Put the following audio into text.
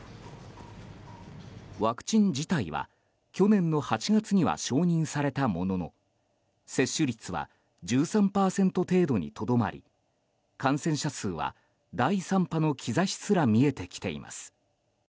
ワクチン自体は去年の８月には承認されたものの接種率は１３％程度にとどまり感染者数は第３波の兆しすら見えてきています。